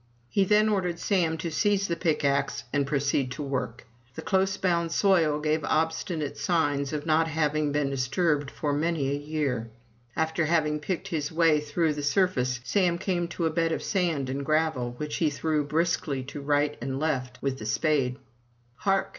He then ordered Sam to seize the pickaxe and proceed to work. The close bound soil gave obstinate signs of not having been disturbed for many a year. After having picked his way through the sur face, Sam came to a bed of sand and gravel, which he threw briskly to right and left with the spade. "Hark!''